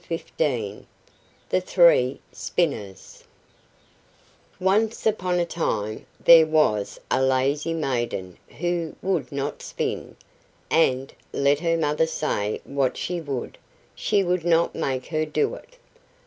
THE THREE SPINNERS Once upon a time there was a lazy maiden who would not spin, and, let her mother say what she would, she could not make her do it.